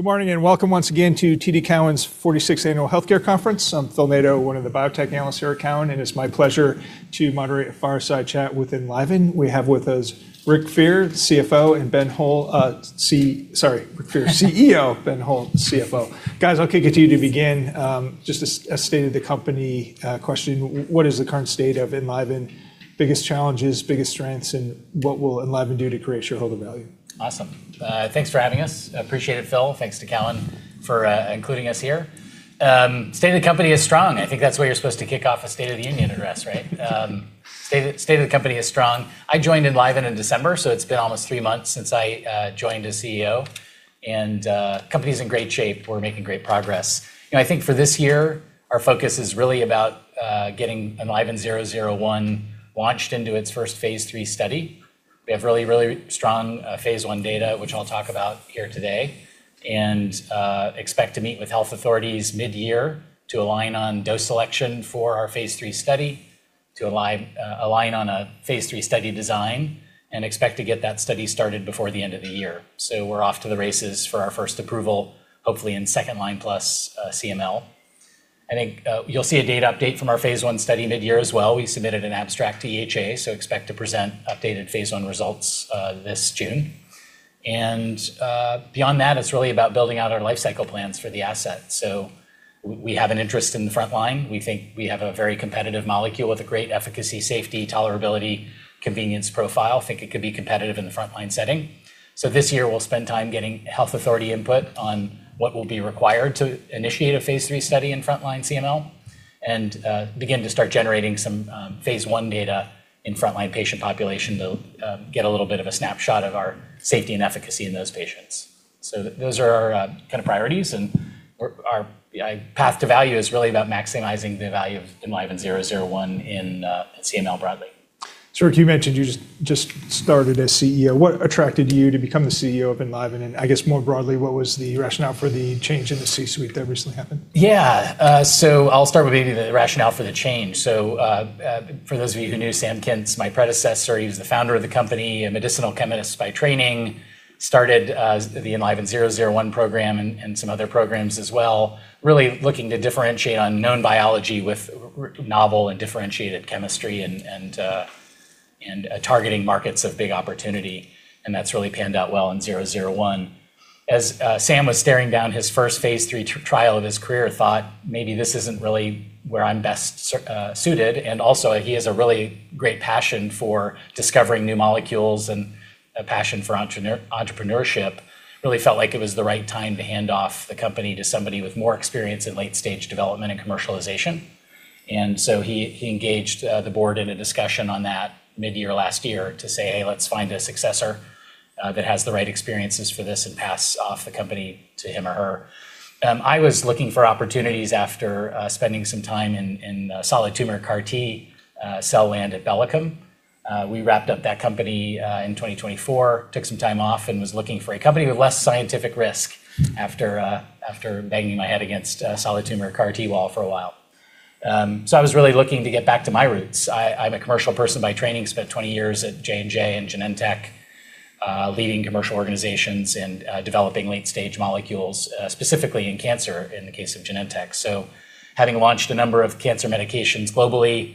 Good morning. Welcome once again to TD Cowen's 46th Annual Healthcare Conference. I'm Phil Nadeau, one of the biotech analysts here at Cowen. It's my pleasure to moderate a fireside chat with Enliven. We have with us Rick Fair, CFO, and Ben Hohl, sorry. Rick Fair, CEO, Ben Hohl, CFO. Guys, I'll kick it to you to begin, just a state of the company, question. What is the current state of Enliven? Biggest challenges, biggest strengths, and what will Enliven do to create shareholder value? Awesome. Thanks for having us. I appreciate it, Phil. Thanks to Cowen for including us here. State of the company is strong. I think that's the way you're supposed to kick off a State of the Union address, right? State of the company is strong. I joined Enliven in December, so it's been almost 3 months since I joined as CEO and company's in great shape. We're making great progress. You know, I think for this year, our focus is really about getting ELVN-001 launched into its first phase 3 study. We have really, really strong phase I data, which I'll talk about here today. Expect to meet with health authorities midyear to align on dose selection for our phase three study to align on a phase three study design and expect to get that study started before the end of the year. We're off to the races for our first approval, hopefully in second-line plus CML. I think you'll see a data update from our phase I study midyear as well. We submitted an abstract to EHA. Expect to present updated phase I results this June. Beyond that, it's really about building out our lifecycle plans for the asset. We have an interest in the front line. We think we have a very competitive molecule with a great efficacy, safety, tolerability, convenience profile. Think it could be competitive in the frontline setting. This year we'll spend time getting health authority input on what will be required to initiate a phase 3 study in front-line CML and begin to start generating some phase 1 data in front-line patient population to get a little bit of a snapshot of our safety and efficacy in those patients. Those are our kind of priorities, and our path to value is really about maximizing the value of Enliven-001 in CML broadly. Rick, you mentioned you just started as CEO. What attracted you to become the CEO of Enliven? I guess more broadly, what was the rationale for the change in the C-suite that recently happened? Yeah. I'll start with maybe the rationale for the change. For those of you who knew Sam Kintz, my predecessor, he was the founder of the company, a medicinal chemist by training, started the ELVN-001 program and some other programs as well, really looking to differentiate on known biology with novel and differentiated chemistry and targeting markets of big opportunity. That's really panned out well in 001. As Sam was staring down his first phase 3 trial of his career, thought maybe this isn't really where I'm best suited, and also he has a really great passion for discovering new molecules and a passion for entrepreneurship. Really felt like it was the right time to hand off the company to somebody with more experience in late-stage development and commercialization. He engaged the board in a discussion on that midyear last year to say, "Hey, let's find a successor that has the right experiences for this and pass off the company to him or her." I was looking for opportunities after spending some time in solid tumor CAR-T cell land at Bellicum. We wrapped up that company in 2024, took some time off and was looking for a company with less scientific risk after banging my head against a solid tumor CAR T wall for a while. I was really looking to get back to my roots. I'm a commercial person by training, spent 20 years at J&J and Genentech, leading commercial organizations and developing late-stage molecules, specifically in cancer in the case of Genentech. Having launched a number of cancer medications globally,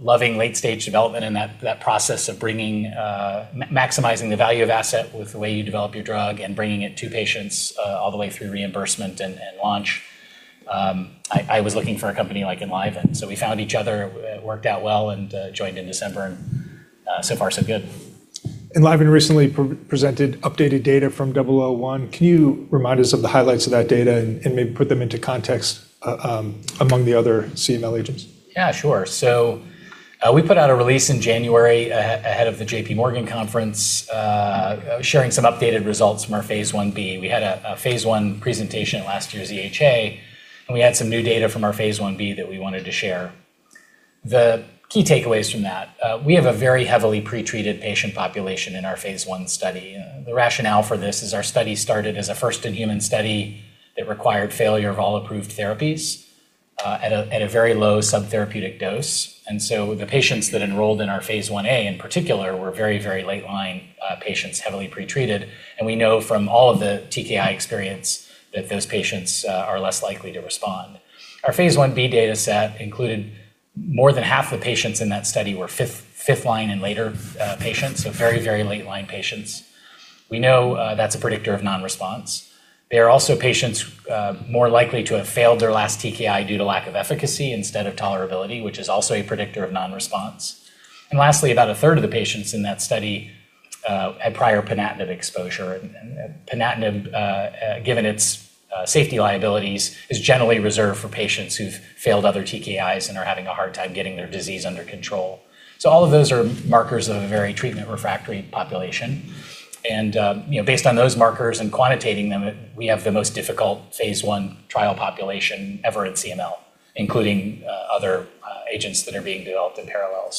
loving late-stage development and that process of bringing, maximizing the value of asset with the way you develop your drug and bringing it to patients, all the way through reimbursement and launch. I was looking for a company like Enliven, so we found each other. It worked out well and joined in December and so far so good. Enliven recently pre-presented updated data from 001. Can you remind us of the highlights of that data and maybe put them into context among the other CML agents? Yeah, sure. We put out a release in January ahead of the JP Morgan conference, sharing some updated results from our phase Ib. We had a phase 1 presentation at last year's EHA, and we had some new data from our phase Ib that we wanted to share. The key takeaways from that, we have a very heavily pretreated patient population in our phase 1 study. The rationale for this is our study started as a first-in-human study that required failure of all approved therapies, at a very low subtherapeutic dose. The patients that enrolled in our phase 1A in particular were very late line, patients, heavily pretreated. We know from all of the TKI experience that those patients are less likely to respond. Our phase Ib data set included more than half the patients in that study were 5th line and later patients, so very, very late line patients. We know that's a predictor of non-response. They are also patients more likely to have failed their last TKI due to lack of efficacy instead of tolerability, which is also a predictor of non-response. Lastly, about 1/3 of the patients in that study had prior ponatinib exposure. Ponatinib, given its safety liabilities, is generally reserved for patients who've failed other TKIs and are having a hard time getting their disease under control. All of those are markers of a very treatment-refractory population. You know, based on those markers and quantitating them, we have the most difficult phase I trial population ever in CML, including other agents that are being developed in parallel.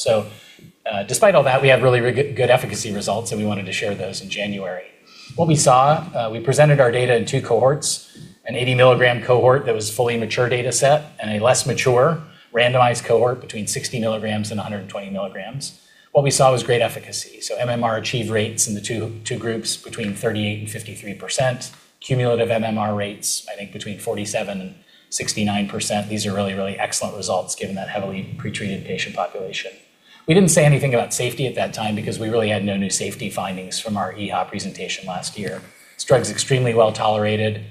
Despite all that, we have really good efficacy results, and we wanted to share those in January. What we saw, we presented our data in two cohorts. An 80 milligram cohort that was fully mature data set and a less mature randomized cohort between 60 milligrams and 120 milligrams. What we saw was great efficacy. MMR achieve rates in the two groups between 38% and 53%. Cumulative MMR rates, I think between 47% and 69%. These are really excellent results given that heavily pretreated patient population. We didn't say anything about safety at that time because we really had no new safety findings from our EHA presentation last year. This drug's extremely well-tolerated.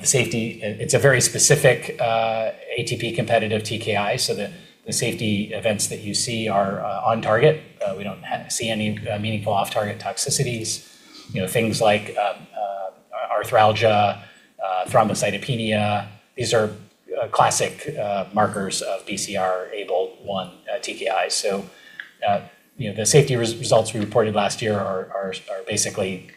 The safety, it's a very specific ATP-competitive TKI, so the safety events that you see are on target. We don't see any meaningful off-target toxicities. You know, things like arthralgia, thrombocytopenia, these are classic markers of BCR-ABL1 TKIs. You know, the safety results we reported last year are basically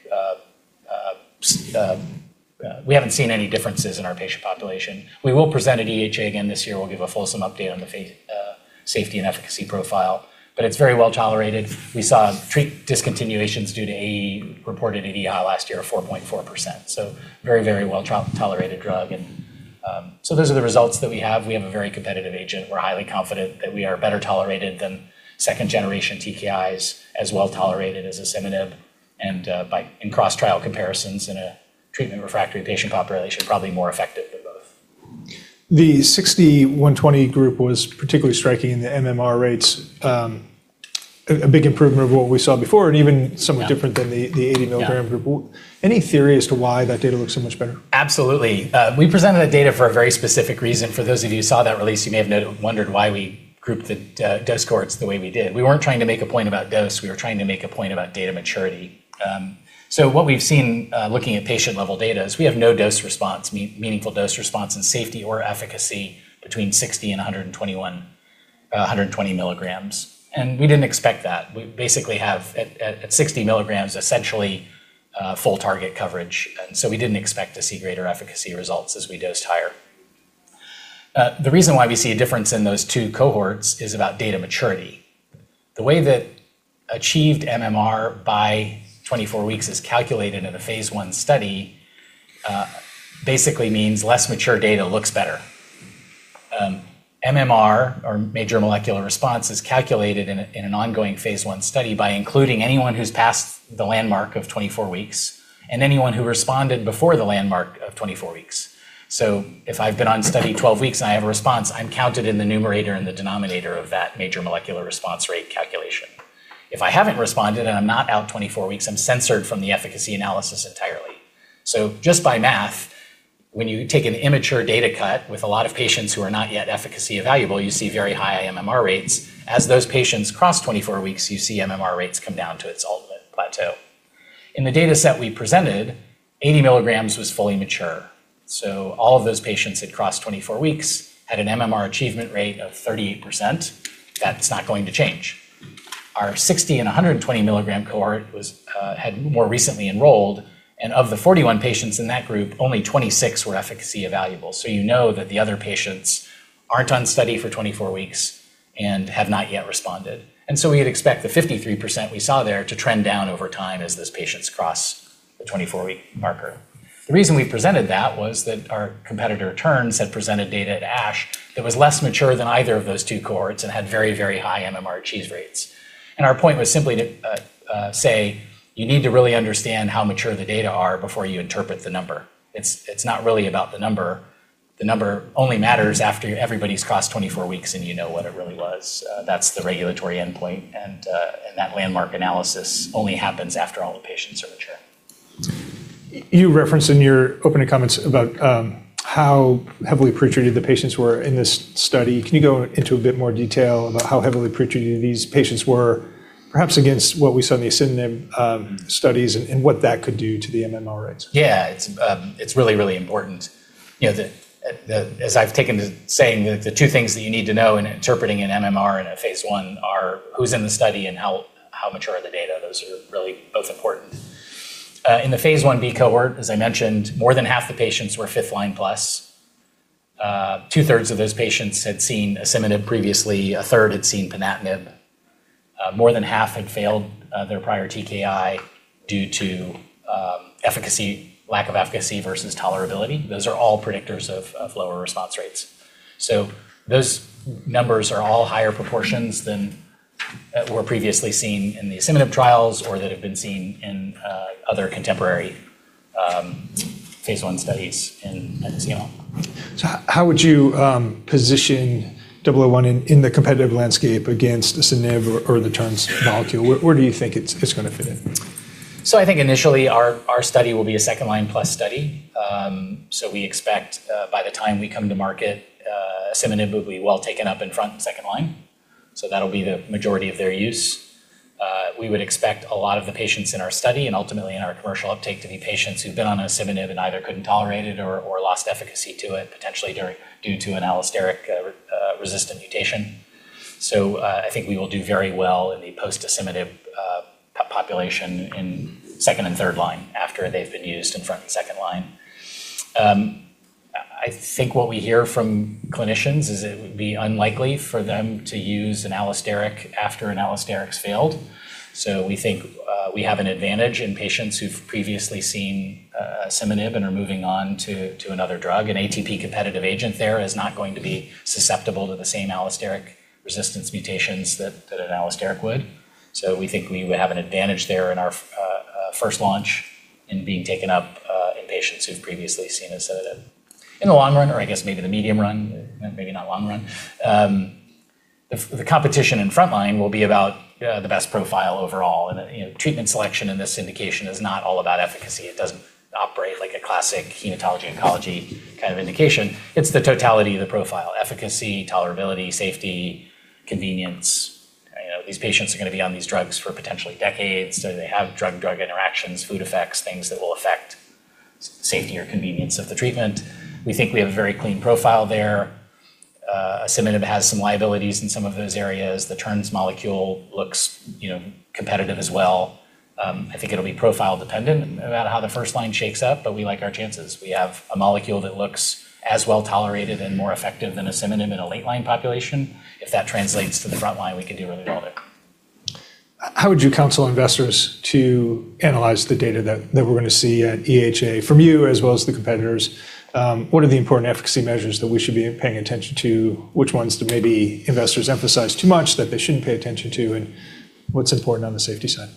we haven't seen any differences in our patient population. We will present at EHA again this year. We'll give a fulsome update on the safety and efficacy profile, but it's very well-tolerated. We saw treat discontinuations due to AE reported at EHA last year of 4.4%. Very, very well-tolerated drug and those are the results that we have. We have a very competitive agent. We're highly confident that we are better tolerated than second-generation TKIs, as well-tolerated as asciminib, and in cross-trial comparisons in a treatment-refractory patient population, probably more effective than both. The 60/120 group was particularly striking in the MMR rates. A big improvement of what we saw before and even. Yeah. -different than the 80 milligram group. Yeah. Any theory as to why that data looks so much better? Absolutely. We presented that data for a very specific reason. For those of you who saw that release, you may have wondered why we grouped the dose cohorts the way we did. We weren't trying to make a point about dose, we were trying to make a point about data maturity. What we've seen, looking at patient-level data is we have no dose response, meaningful dose response in safety or efficacy between 60 and 121, 120 milligrams, and we didn't expect that. We basically have at 60 milligrams essentially, full target coverage, we didn't expect to see greater efficacy results as we dosed higher. The reason why we see a difference in those two cohorts is about data maturity. The way that achieved MMR by 24 weeks is calculated in a phase I study, basically means less mature data looks better. MMR or major molecular response is calculated in an ongoing phase I study by including anyone who's passed the landmark of 24 weeks and anyone who responded before the landmark of 24 weeks. If I've been on study 12 weeks and I have a response, I'm counted in the numerator and the denominator of that major molecular response rate calculation. If I haven't responded and I'm not out 24 weeks, I'm censored from the efficacy analysis entirely. Just by math, when you take an immature data cut with a lot of patients who are not yet efficacy evaluable, you see very high MMR rates. As those patients cross 24 weeks, you see MMR rates come down to its ultimate plateau. In the dataset we presented, 80 milligrams was fully mature, so all of those patients had crossed 24 weeks, had an MMR achievement rate of 38%. That's not going to change. Our 60 and 120 milligram cohort was had more recently enrolled, and of the 41 patients in that group, only 26 were efficacy evaluable. You know that the other patients aren't on study for 24 weeks and have not yet responded. We'd expect the 53% we saw there to trend down over time as those patients cross the 24-week marker. The reason we presented that was that our competitor Terns had presented data at ASH that was less mature than either of those two cohorts and had very, very high MMR achieve rates. Our point was simply to say you need to really understand how mature the data are before you interpret the number. It's not really about the number. The number only matters after everybody's crossed 24 weeks and you know what it really was. That's the regulatory endpoint and that landmark analysis only happens after all the patients are mature. You referenced in your opening comments about how heavily pretreated the patients were in this study. Can you go into a bit more detail about how heavily pretreated these patients were, perhaps against what we saw in the asciminib studies and what that could do to the MMR rates? Yeah. It's, it's really, really important. You know, the as I've taken to saying the two things that you need to know in interpreting an MMR in a phase I are who's in the study and how mature are the data. Those are really both important. In the phase Ib cohort, as I mentioned, more than half the patients were 5th line plus. Two-thirds of those patients had seen asciminib previously. A third had seen ponatinib. More than half had failed their prior TKI due to lack of efficacy versus tolerability. Those are all predictors of lower response rates. Those numbers are all higher proportions than were previously seen in the asciminib trials or that have been seen in other contemporary phase I studies in this neo. How would you position 001 in the competitive landscape against asciminib or the Terns' molecule? Where do you think it's gonna fit in? I think initially our study will be a second-line-plus study. We expect, by the time we come to market, asciminib will be well taken up in front and second-line, so that'll be the majority of their use. We would expect a lot of the patients in our study and ultimately in our commercial uptake to be patients who've been on asciminib and either couldn't tolerate it or lost efficacy to it potentially due to an allosteric-resistant mutation. I think we will do very well in the post-asciminib population in second and third line after they've been used in front and second line. I think what we hear from clinicians is it would be unlikely for them to use an allosteric after an allosteric's failed. We think we have an advantage in patients who've previously seen asciminib and are moving on to another drug. An ATP competitive agent there is not going to be susceptible to the same allosteric resistance mutations that an allosteric would. We think we would have an advantage there in our first launch in being taken up in patients who've previously seen asciminib. In the long run, or I guess maybe the medium run, maybe not long run, the competition in frontline will be about the best profile overall and, you know, treatment selection in this indication is not all about efficacy. It doesn't operate like a classic hematology oncology kind of indication. It's the totality of the profile, efficacy, tolerability, safety, convenience. You know, these patients are gonna be on these drugs for potentially decades, so do they have drug-drug interactions, food effects, things that will affect safety or convenience of the treatment? We think we have a very clean profile there. Asciminib has some liabilities in some of those areas. The Terns molecule looks, you know, competitive as well. I think it'll be profile dependent about how the first line shakes up, but we like our chances. We have a molecule that looks as well-tolerated and more effective than asciminib in a late line population. If that translates to the front line, we can do really well there. How would you counsel investors to analyze the data that we're gonna see at EHA from you as well as the competitors? What are the important efficacy measures that we should be paying attention to? Which ones do maybe investors emphasize too much that they shouldn't pay attention to, and what's important on the safety side?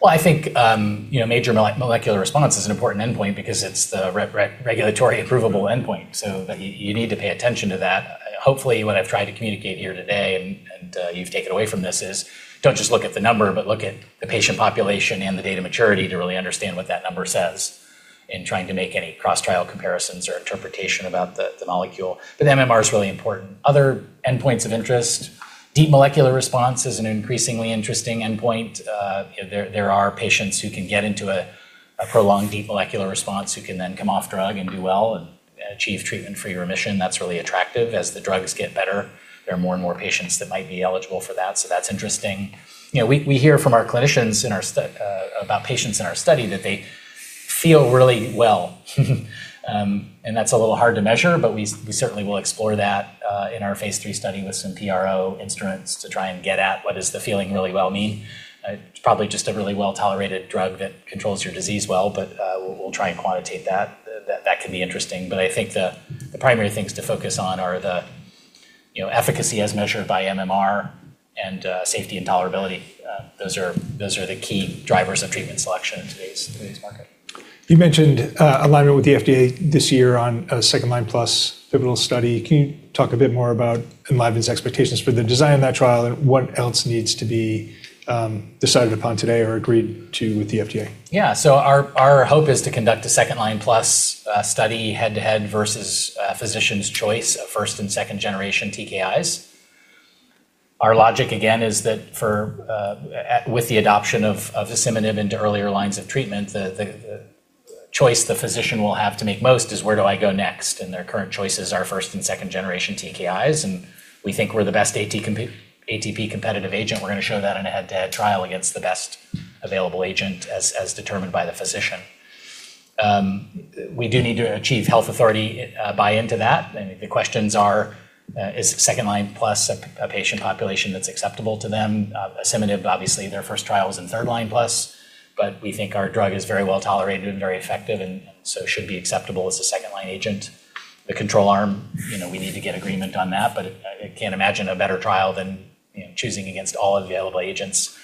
Well, I think, you know, major molecular response is an important endpoint because it's the regulatory approvable endpoint. You need to pay attention to that. Hopefully, what I've tried to communicate here today and you've taken away from this is don't just look at the number, but look at the patient population and the data maturity to really understand what that number says in trying to make any cross-trial comparisons or interpretation about the molecule. MMR is really important. Other endpoints of interest, deep molecular response is an increasingly interesting endpoint. you know, there are patients who can get into a prolonged deep molecular response who can then come off drug and do well and achieve treatment-free remission. That's really attractive. As the drugs get better, there are more and more patients that might be eligible for that, so that's interesting. You know, we hear from our clinicians in our study about patients in our study that they feel really well. That's a little hard to measure, but we certainly will explore that in our phase 3 study with some PRO instruments to try and get at what does the feeling really well mean. It's probably just a really well-tolerated drug that controls your disease well, but we'll try and quantitate that. That can be interesting, but I think the primary things to focus on are the, you know, efficacy as measured by MMR and safety and tolerability. Those are the key drivers of treatment selection in today's market. You mentioned alignment with the FDA this year on a second-line plus pivotal study. Can you talk a bit more about Enliven's expectations for the design of that trial and what else needs to be decided upon today or agreed to with the FDA? Our hope is to conduct a second-line plus study head-to-head versus physician's choice of first and second generation TKIs. Our logic again is that for with the adoption of asciminib into earlier lines of treatment, the choice the physician will have to make most is where do I go next? Their current choices are first and second generation TKIs, and we think we're the best ATP competitive agent. We're gonna show that in a head-to-head trial against the best available agent as determined by the physician. We do need to achieve health authority buy-in to that, and the questions are, is second line plus a patient population that's acceptable to them? asciminib, obviously their first trial was in 3rd-line plus. We think our drug is very well-tolerated and very effective and should be acceptable as a 2nd-line agent. The control arm, you know, we need to get agreement on that. I can't imagine a better trial than, you know, choosing against all available agents.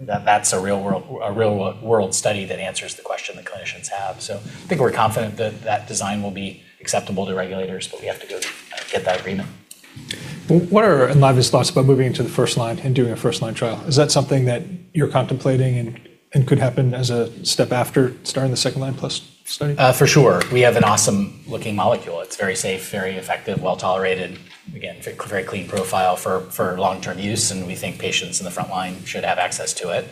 That's a real-world study that answers the question that clinicians have. I think we're confident that that design will be acceptable to regulators. We have to go get that agreement. What are Enliven's thoughts about moving into the first line and doing a first line trial? Is that something that you're contemplating and could happen as a step after starting the second line plus study? For sure. We have an awesome looking molecule. It's very safe, very effective, well-tolerated. Again, very clean profile for long-term use, and we think patients in the front line should have access to it.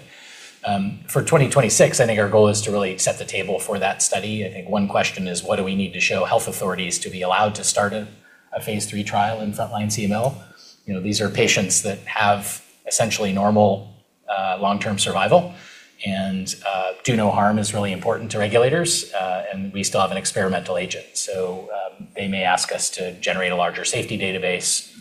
For 2026, I think our goal is to really set the table for that study. I think one question is what do we need to show health authorities to be allowed to start a phase 3 trial in front-line CML? You know, these are patients that have essentially normal long-term survival and do no harm is really important to regulators, and we still have an experimental agent. They may ask us to generate a larger safety database,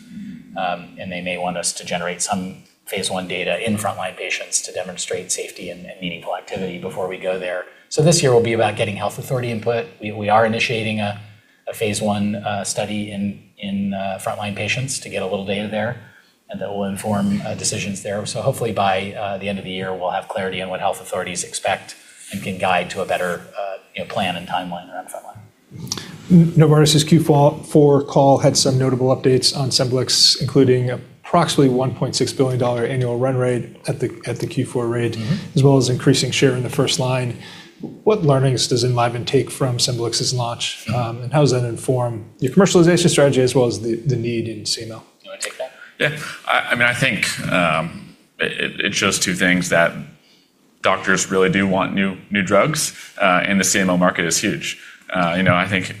and they may want us to generate some phase 1 data in front-line patients to demonstrate safety and meaningful activity before we go there. This year will be about getting health authority input. We are initiating a phase 1 study in front line patients to get a little data there, and that will inform decisions there. Hopefully by the end of the year, we'll have clarity on what health authorities expect and can guide to a better, you know, plan and timeline around front line. Novartis Q4 call had some notable updates on Scemblix, including approximately $1.6 billion annual run rate at the Q4 rate-. Mm-hmm. As well as increasing share in the first line. What learnings does Enliven take from Scemblix's launch, how does that inform your commercialization strategy as well as the need in CML? You wanna take that? Yeah. I mean, I think it shows 2 things, that doctors really do want new drugs, and the CML market is huge. You know, I think.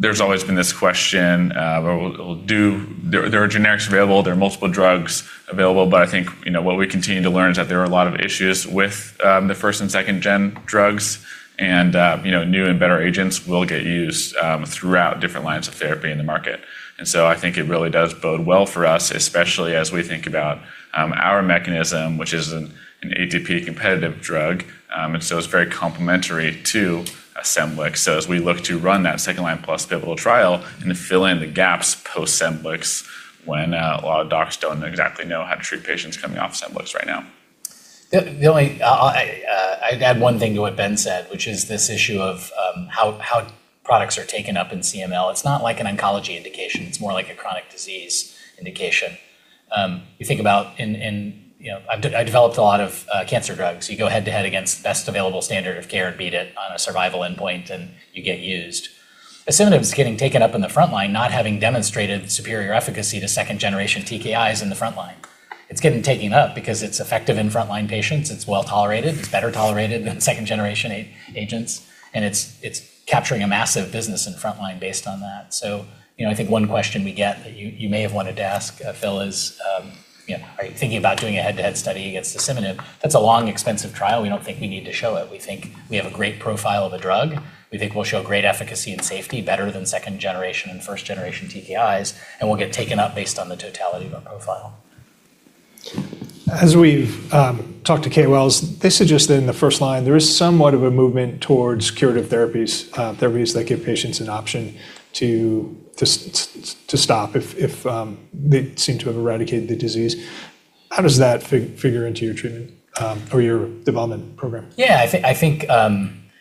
There are generics available, there are multiple drugs available, but I think, you know, what we continue to learn is that there are a lot of issues with the 1st and 2nd-gen drugs and, you know, new and better agents will get used throughout different lines of therapy in the market. I think it really does bode well for us, especially as we think about our mechanism, which is an ATP competitive drug, and so it's very complementary to a Scemblix. As we look to run that second-line plus pivotal trial and to fill in the gaps post Scemblix when a lot of docs don't exactly know how to treat patients coming off Scemblix right now. I'd add one thing to what Ben said, which is this issue of how products are taken up in CML. It's not like an oncology indication, it's more like a chronic disease indication. You know, I developed a lot of cancer drugs. You go head-to-head against best available standard of care and beat it on a survival endpoint, and you get used. asciminib is getting taken up in the frontline, not having demonstrated superior efficacy to second-generation TKIs in the frontline. It's getting taken up because it's effective in frontline patients, it's well-tolerated, it's better tolerated than second-generation agents, and it's capturing a massive business in frontline based on that. You know, I think one question we get that you may have wanted to ask, Phil, is, you know, are you thinking about doing a head-to-head study against asciminib? That's a long, expensive trial. We don't think we need to show it. We think we have a great profile of a drug. We think we'll show great efficacy and safety better than second-generation and first-generation TKIs, and we'll get taken up based on the totality of our profile. As we've talked to KOLs, they suggest that in the first line, there is somewhat of a movement towards curative therapies that give patients an option to stop if they seem to have eradicated the disease. How does that figure into your treatment or your development program? I think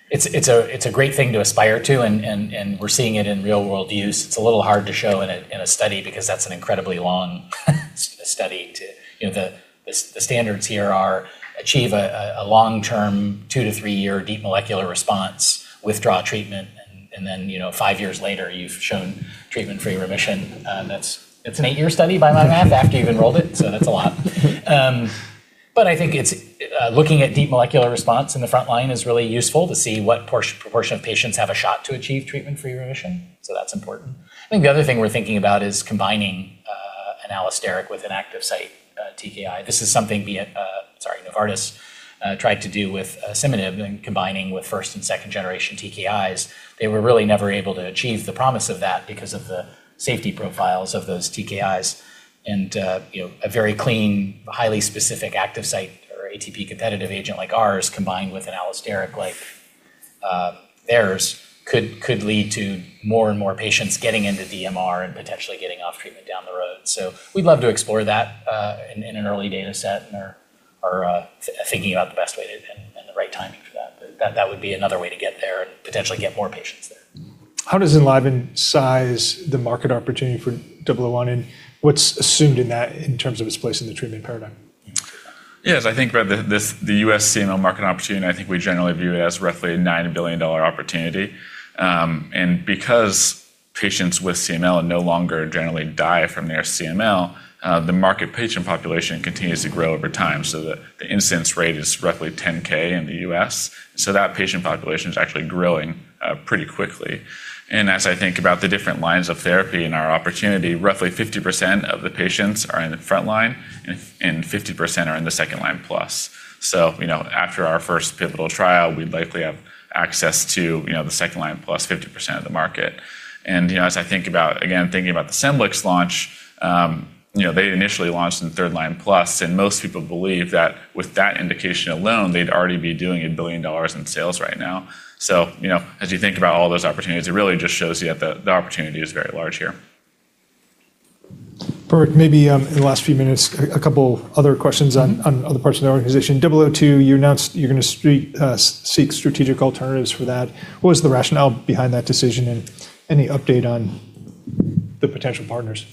it's a great thing to aspire to and we're seeing it in real-world use. It's a little hard to show in a study because that's an incredibly long study. You know, the standards here are achieve a long-term 2-3 year deep molecular response, withdraw treatment, and then, you know, 5 years later, you've shown treatment-free remission. That's an 8-year study by my math after you've enrolled it, that's a lot. I think it's looking at deep molecular response in the frontline is really useful to see what proportion of patients have a shot to achieve treatment-free remission, that's important. The other thing we're thinking about is combining an allosteric with an active site TKI. This is something sorry, Novartis tried to do with asciminib and combining with first and second-generation TKIs. They were really never able to achieve the promise of that because of the safety profiles of those TKIs and, you know, a very clean, highly specific active site or ATP competitive agent like ours combined with an allosteric like theirs could lead to more and more patients getting into DMR and potentially getting off treatment down the road. We'd love to explore that in an early data set and are thinking about the best way to and the right timing for that. That would be another way to get there and potentially get more patients there. How does Enliven size the market opportunity for 001 and what's assumed in that in terms of its place in the treatment paradigm? Yes, I think by the U.S. CML market opportunity, I think we generally view it as roughly a $9 billion opportunity. Because patients with CML no longer generally die from their CML, the market patient population continues to grow over time. The incidence rate is roughly 10,000 in the U.S., so that patient population is actually growing pretty quickly. As I think about the different lines of therapy and our opportunity, roughly 50% of the patients are in the frontline and 50% are in the second-line plus. You know, after our first pivotal trial, we'd likely have access to, you know, the second-line plus 50% of the market. You know, as I think about, again, thinking about the Scemblix launch, you know, they initially launched in the third line plus, and most people believe that with that indication alone, they'd already be doing $1 billion in sales right now. You know, as you think about all those opportunities, it really just shows you that the opportunity is very large here. Burke, maybe, in the last few minutes, a couple other questions on other parts of the organization. 002, you announced you're gonna seek strategic alternatives for that. What was the rationale behind that decision, and any update on the potential partners?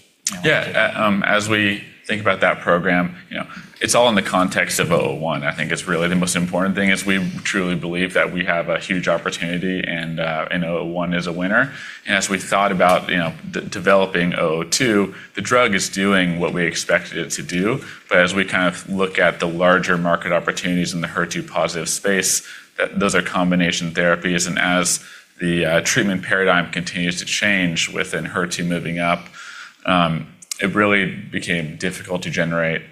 Yeah. As we think about that program, you know, it's all in the context of ELVN-001. I think it's really the most important thing is we truly believe that we have a huge opportunity and ELVN-001 is a winner. As we thought about, you know, de-developing ELVN-002, the drug is doing what we expected it to do. As we kind of look at the larger market opportunities in the HER2 positive space, those are combination therapies, and as the treatment paradigm continues to change within HER2 moving up, it really became difficult to generate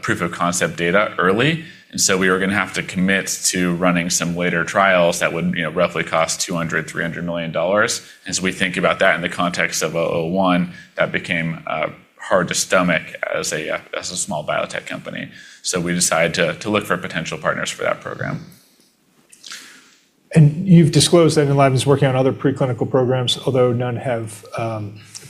proof of concept data early. So we were gonna have to commit to running some later trials that would, you know, roughly cost $200 million-$300 million. As we think about that in the context of 001, that became hard to stomach as a small biotech company. We decided to look for potential partners for that program. You've disclosed that Enliven is working on other preclinical programs, although none have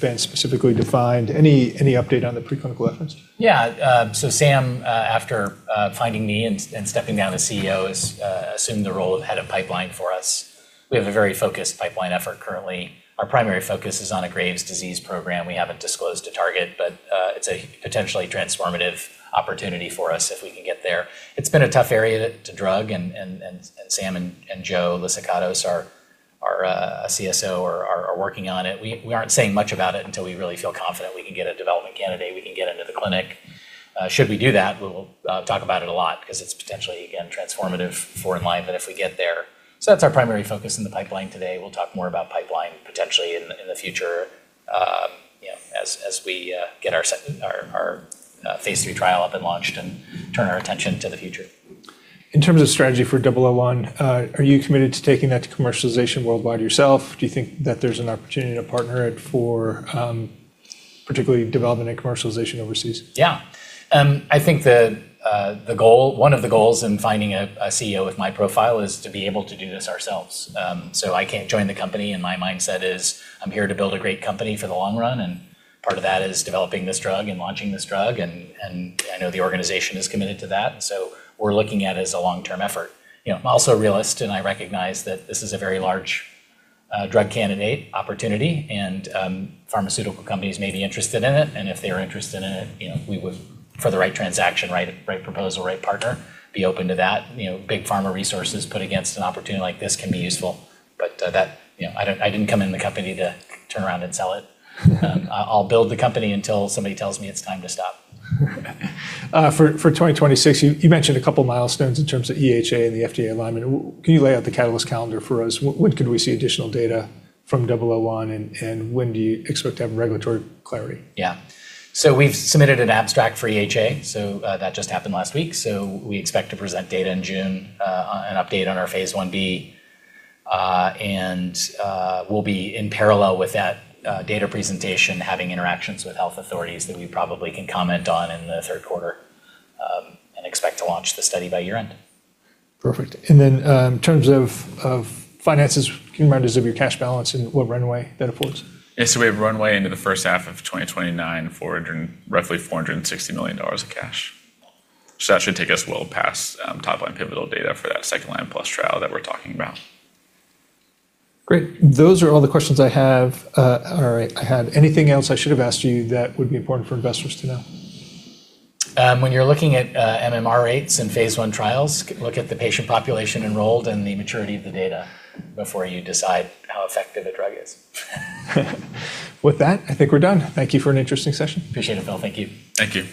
been specifically defined. Any update on the preclinical efforts? Yeah. Sam, after finding me and stepping down as CEO has assumed the role of head of pipeline for us. We have a very focused pipeline effort currently. Our primary focus is on a Graves' disease program. We haven't disclosed a target, but it's a potentially transformative opportunity for us if we can get there. It's been a tough area to drug and Sam and Joe Lyssikatos, our CSO are working on it. We aren't saying much about it until we really feel confident we can get a development candidate, we can get into the clinic. Should we do that, we'll talk about it a lot 'cause it's potentially, again, transformative for Enliven, but if we get there... That's our primary focus in the pipeline today. We'll talk more about pipeline potentially in the future, you know, as we, get our phase 3 trial up and launched and turn our attention to the future. In terms of strategy for ELVN-001, are you committed to taking that to commercialization worldwide yourself? Do you think that there's an opportunity to partner it for, particularly development and commercialization overseas? Yeah. I think one of the goals in finding a CEO with my profile is to be able to do this ourselves. I can't join the company. My mindset is I'm here to build a great company for the long run. Part of that is developing this drug and launching this drug. I know the organization is committed to that. We're looking at it as a long-term effort. You know, I'm also a realist. I recognize that this is a very large drug candidate opportunity. Pharmaceutical companies may be interested in it. If they are interested in it, you know, we would, for the right transaction, right proposal, right partner, be open to that. You know, big pharma resources put against an opportunity like this can be useful, but that. You know, I didn't come in the company to turn around and sell it. I'll build the company until somebody tells me it's time to stop. For 2026, you mentioned a couple milestones in terms of EHA and the FDA alignment. Can you lay out the catalyst calendar for us? When could we see additional data from 001, and when do you expect to have regulatory clarity? Yeah. We've submitted an abstract for EHA, that just happened last week, we expect to present data in June on an update on our phase 1B, and we'll be in parallel with that data presentation, having interactions with health authorities that we probably can comment on in the third quarter, and expect to launch the study by year-end. Perfect. In terms of finances, can you remind us of your cash balance and what runway that affords? Yeah. We have runway into the first half of 2029, roughly $460 million of cash. That should take us well past top-line pivotal data for that second ELVN-001 trial that we're talking about. Great. Those are all the questions I have, or I had. Anything else I should have asked you that would be important for investors to know? When you're looking at MMR rates in phase 1 trials, look at the patient population enrolled and the maturity of the data before you decide how effective a drug is. I think we're done. Thank you for an interesting session. Appreciate it, Phil. Thank you. Thank you.